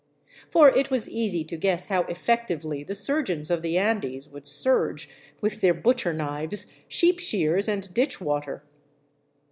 For it was easy to guess how effectively the surgeons of the Andes would surge — with their butcher knives, sheep shears and ditch water.